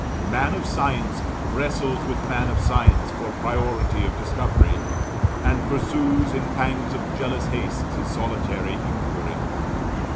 Man of science wrestles with man of science for priority of discovery, and pursues in pangs of jealous haste his solitary inquiry.